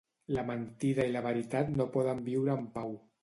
La mentida i la veritat no poden viure en pau.